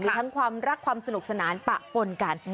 มีทั้งความรักความสนุกสนานปะปนกัน